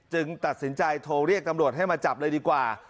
ตัดสินใจโทรเรียกตำรวจให้มาจับเลยดีกว่า